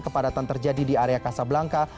kepadatan terjadi di area kasab langka